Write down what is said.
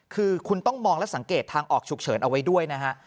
คือคุณต้องมองและสังเกตทางออกฉุกเฉินเอาไว้ด้วยนะฮะ